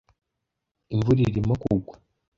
"Imvura irimo kugwa."